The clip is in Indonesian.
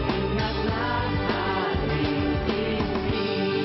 ingatlah hari ini